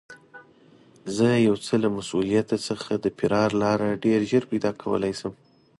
زه یو څه له مسوولیته څخه د فرار لاره ډېر ژر پیدا کولای شم.